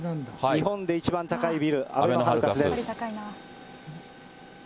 日本で一番高いビル、あべのハルカスです。